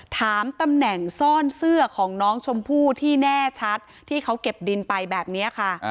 ถามตำแหน่งซ่อนเสื้อของน้องชมพู่ที่แน่ชัดที่เขาเก็บดินไปแบบนี้ค่ะ